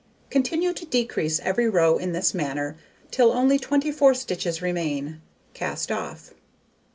Continue to decrease every row in this manner till only 24 stitches remain; cast off.